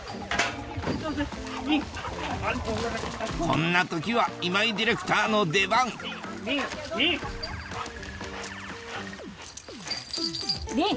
こんな時は今井ディレクターの出番リンリン！